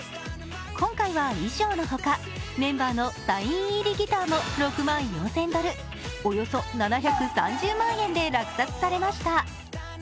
今回は衣装のほか、メンバーのサイン入りギターも６万４０００ドル、およそ７３０万円で落札されました。